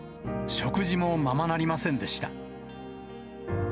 食事もままなりませんでした。